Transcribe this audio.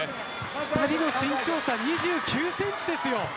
２人の身長差２９センチです。